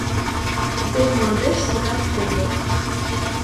Йот мландеш шкетак кодо.